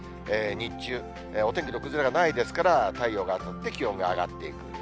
日中、お天気の崩れはないですから、太陽が当たって気温が上がっていく。